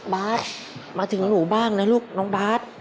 บาทมาถึงหนูบ้างนะลูกน้องบาท